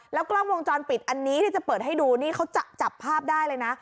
กล้องวงจรปิดอันนี้ที่จะเปิดให้ดูนี่เขาจับภาพได้เลยนะ